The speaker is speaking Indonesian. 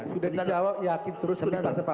sudah dijawab yakin terus sudah diberkaliakan